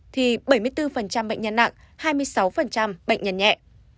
thì bảy mươi bốn bệnh nhân nặng hai mươi sáu bệnh nhân nhẹ